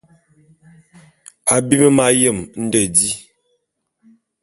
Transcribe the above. Abim m'ayem nde di.